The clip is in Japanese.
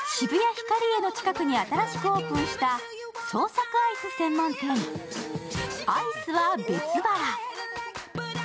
ヒカリエの地下に新しくオープンした創作アイス専門店・アイスは別腹。